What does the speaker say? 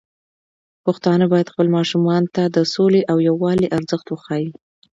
پښتانه بايد خپل ماشومان ته د سولې او يووالي ارزښت وښيي.